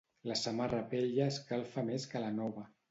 La samarra vella escalfa més que la nova.